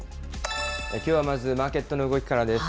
きょうはまずマーケットの動きからです。